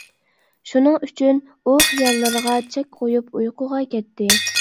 شۇنىڭ ئۈچۈن ئۇ خىياللىرىغا چەك قۇيۇپ ئۇيقۇغا كەتتى.